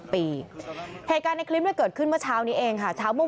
๓๖ปีเหตุการในคลิปเกิดขึ้นเมื่อเช้านี้เองค่ะเช้าเมื่อ